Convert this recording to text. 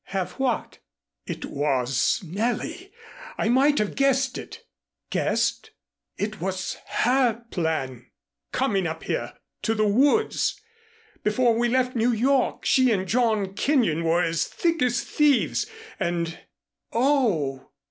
"Have what?" "It was Nellie. I might have guessed it." "Guessed ?" "It was her plan coming up here to the woods. Before we left New York she and John Kenyon were as thick as thieves and " "Oh!"